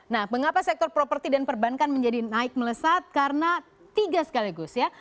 nah mengapa sektor properti dan perbankan menjadi naik melesat karena tiga sekaligus ya